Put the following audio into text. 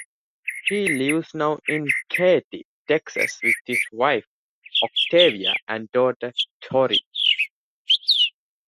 He lives now in Katy, Texas with his wife Octavia and daughter Tori.